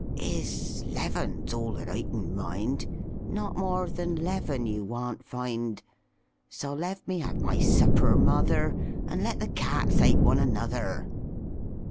Iss, 'leven's all that I can mind, Not more than 'leven you waan't find; So lev me have my supper, mother, And let the cats ait one another."